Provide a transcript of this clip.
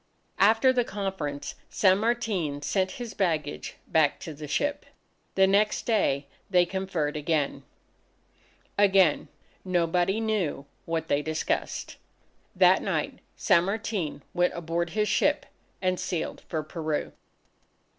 After the conference, San Martin sent his baggage back to the ship. The next day, they conferred again. Again, nobody knew what they discussed. That night, San Martin went aboard his ship, and sailed for Peru.